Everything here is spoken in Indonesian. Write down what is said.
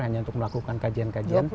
hanya untuk melakukan kajian kajian